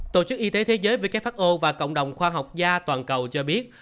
tổ chức y tế thế giới who và cộng đồng khoa học da toàn cầu cho biết